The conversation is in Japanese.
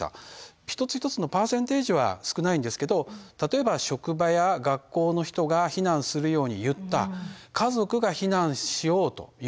一つ一つのパーセンテージは少ないんですけど例えば職場や学校の人が避難するように言った家族が避難しようと言った。